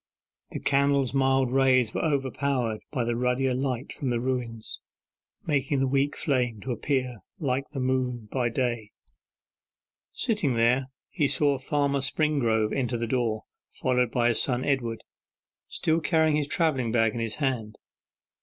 The candle's mild rays were overpowered by the ruddier light from the ruins, making the weak flame to appear like the moon by day. Sitting there he saw Farmer Springrove enter the door, followed by his son Edward, still carrying his travelling bag in his hand.